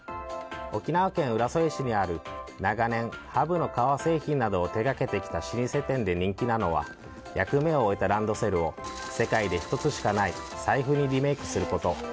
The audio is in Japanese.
沖縄県浦添市にある長年、ハブの革製品などを手がけてきた老舗店で人気なのは役目を終えたランドセルを世界で１つしかない財布にリメイクすること。